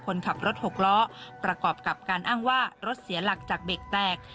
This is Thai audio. คนขับรถหกล้อประกอบกับการอ้างว่ารถเสียหลักจากเบรกแตก